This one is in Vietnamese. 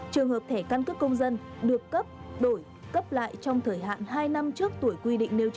trường hợp thẻ căn cước công dân được cấp đổi cấp lại trong thời hạn hai năm trước tuổi quy định nêu trên